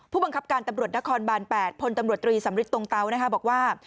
ผู้บังคับการตำรวจนครบาน๘พลตำรวจตรีสำริทตรงเตานะคะบอกว่า